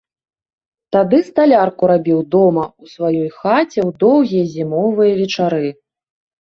Тады сталярку рабіў дома ў сваёй хаце ў доўгія зімовыя вечары.